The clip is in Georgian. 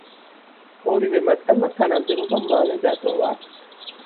ორივე მათგანმა თანამდებობა მალე დატოვა.